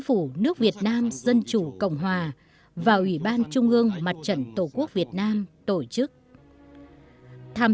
phủ nước việt nam dân chủ cộng hòa và ủy ban trung ương mặt trận tổ quốc việt nam tổ chức tham